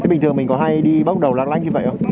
bình thường mình có hay đi bóc đầu lạc lánh như vậy không